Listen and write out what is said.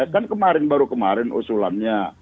kan kemarin baru kemarin usulannya